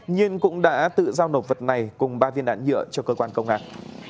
nhiên cũng đã tự giao nộp vật này cùng ba viên đạn nhựa cho cơ quan công an